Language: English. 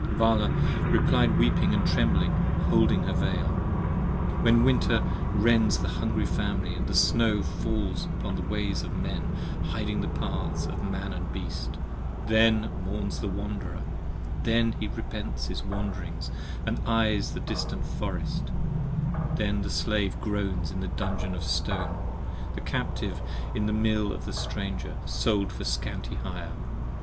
Vala replied weeping & trembling, hiding in her veil. When winter rends the hungry family and the snow falls Upon the ways of men hiding the paths of man and beast, Then mourns the wanderer: then he repents his wanderings & eyes 15 The distant forest: then the slave groans in the dungeon of stone, The captive in the mill of the stranger, sold for scanty hire.